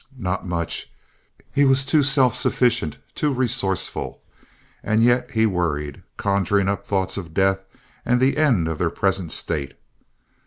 Not much—he was too self sufficient, too resourceful; and yet he worried, conjuring up thoughts of death and the end of their present state.